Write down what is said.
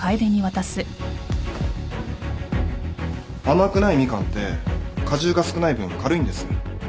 甘くないミカンって果汁が少ない分軽いんです。